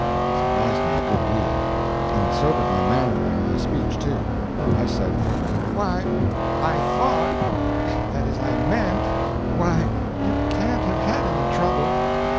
It surprised me a good deal; and it sobered my manner and my speech, too. I said: "Why, I thought that is, I meant why, you can't have had any trouble.